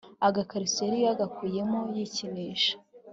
agakariso yari yagakuyemo yikinisha